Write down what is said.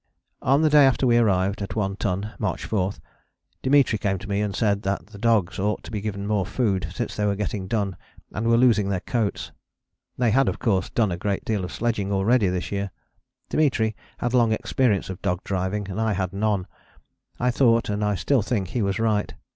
On the day after we arrived at One Ton (March 4) Dimitri came to me and said that the dogs ought to be given more food, since they were getting done and were losing their coats: they had, of course, done a great deal of sledging already this year. Dimitri had long experience of dog driving and I had none. I thought and I still think he was right.